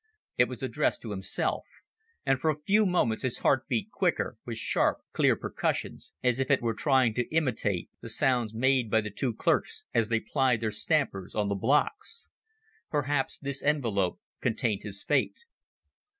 It was addressed to himself; and for a few moments his heart beat quicker, with sharp, clean percussions, as if it were trying to imitate the sounds made by the two clerks as they plied their stampers on the blocks. Perhaps this envelope contained his fate.